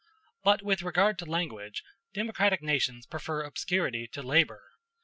But with regard to language, democratic nations prefer obscurity to labor.